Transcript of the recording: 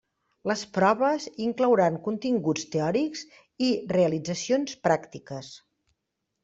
Les proves inclouran continguts teòrics i realitzacions pràctiques.